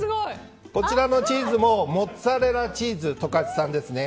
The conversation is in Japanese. こちらのチーズもモッツァレラチーズ十勝産ですね。